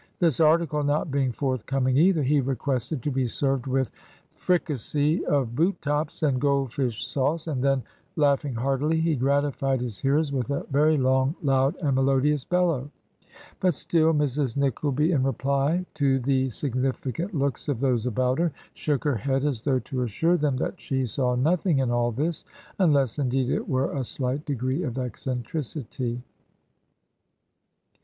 This article not being forthcoming, either, he requested to be served with fric assee of boot tops and gold fish sauce, and then, laugh ing heartily, he gratified his hearers with a very long, loud, and melodious bellow. But still Mrs. Nickleby, in reply to the significant looks of those about her, shook her head as though to assure them that she saw nothing in all this, unless indeed it were a slight degree of eccentricity."